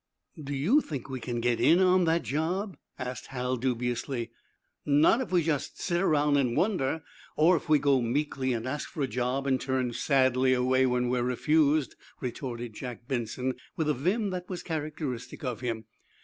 "Do you think we can get in on that job?" asked Hal, dubiously. "Not if we just sit around and wonder, or if we go meekly and ask for a job, and turn sadly away when we're refused," retorted Jack Benson, with a vim that was characteristic of him.